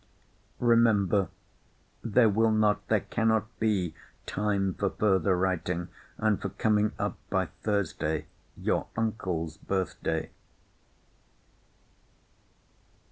Remember, there will not, there cannot be time for further writing, and for coming up by Thursday, your uncle's birth day.